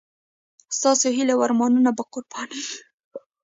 ستاسو هیلې او ارمانونه به قرباني شي.